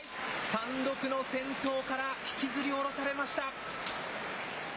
単独の先頭から引きずりおろされました。